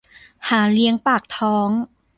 หาเลี้ยงปากท้อง